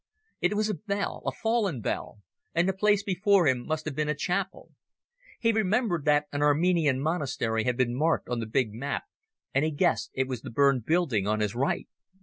It was a bell, a fallen bell, and the place before him must have been a chapel. He remembered that an Armenian monastery had been marked on the big map, and he guessed it was the burned building on his right.